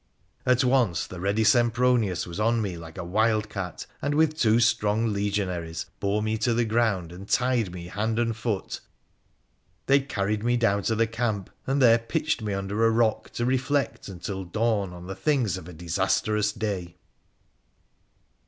At once the ready Sempronius was on me like a wild cat, and with two strong legionaries bore me to the ground, ani tied me hand and foot. They carried me down to the camp, and there pitched me under a rock to reflect until dawn on the things of a disastrous day.